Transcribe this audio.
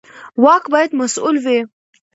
واک باید مسوول وي